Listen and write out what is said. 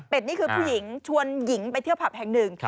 เป็นผู้หญิงชวนหญิงไปเที่ยวผับแห่งหนึ่ง